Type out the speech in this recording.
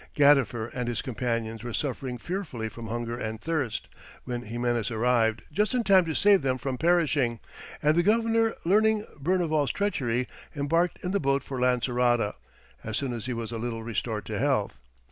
Gadifer and his companions were suffering fearfully from hunger and thirst, when Ximenes arrived just in time to save them from perishing, and the governor learning Berneval's treachery embarked in the boat for Lancerota, as soon as he was a little restored to health.